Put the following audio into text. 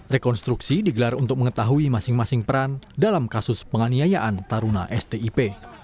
rekonstruksi digelar untuk mengetahui masing masing peran dalam kasus penganiayaan taruna stip